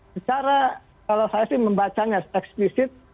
secara kalau saya sih membacanya eksplisit